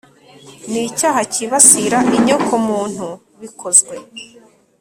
n icyaha cyibasira inyokomuntu bikozwe